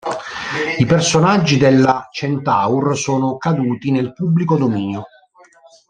I personaggi della Centaur sono caduti nel pubblico dominio.